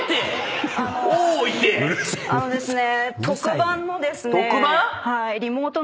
あのですね。